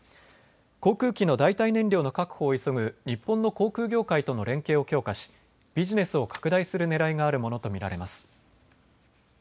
航空機の代替燃料の確保を急ぐ日本の航空業界との連携を強化し、ビジネスを拡大するねらいがあるものと見られます。